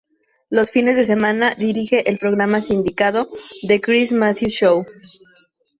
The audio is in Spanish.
Los fines de semana dirige el programa sindicado, "The Chris Matthews Show".